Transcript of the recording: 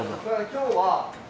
今日は。